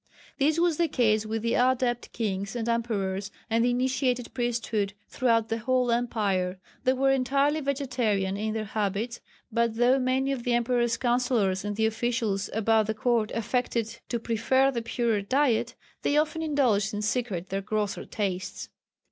This was the case with the Adept kings and emperors and the initiated priesthood throughout the whole empire. They were entirely vegetarian in their habits, but though many of the emperor's counsellors and the officials about the court affected to prefer the purer diet, they often indulged in secret their grosser tastes.